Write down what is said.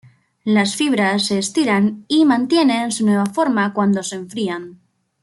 Las fibras se estiran y mantienen su nueva forma cuando se enfrían.